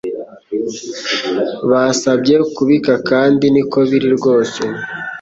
Basabye kubika kandi niko biri rwose